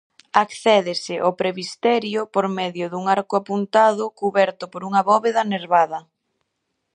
Accédese ao presbiterio por medio dun arco apuntado cuberto por unha bóveda nervada.